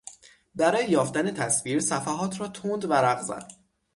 برای یافتن تصویر، صفحات را تند ورق زد.